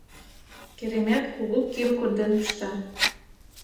Керемет кугу кӱм конден пышта.